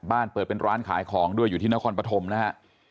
เปิดเป็นร้านขายของด้วยอยู่ที่นครปฐมนะฮะ